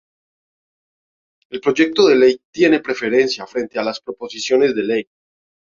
El proyecto de ley tiene preferencia frente a las proposiciones de ley.